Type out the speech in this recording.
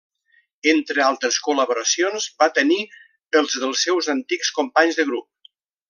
Entre altres col·laboracions, va tenir els dels seus antics companys de grup.